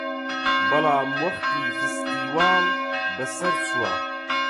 بەڵام وەختی فستیواڵ بەسەر چووە